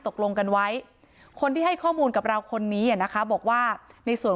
ตกลงกันไว้คนที่ให้ข้อมูลกับเราคนนี้นะคะบอกว่าในส่วน